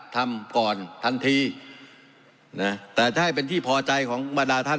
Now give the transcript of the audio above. ทำก่อนทันทีนะแต่จะให้เป็นที่พอใจของบรรดาท่าน